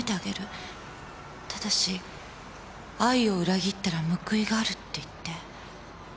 ただし愛を裏切ったら報いがあるって言って。